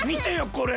これ。